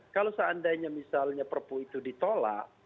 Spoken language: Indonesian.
kalau seandainya misalnya perpu itu ditolak